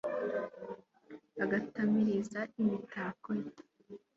agatamiriza imitako ye